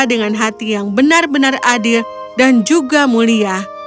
dengan hati yang benar benar adil dan juga mulia